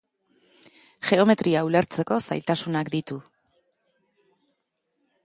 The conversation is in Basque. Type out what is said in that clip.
Geometria ulertzeko zailtasunak ditu.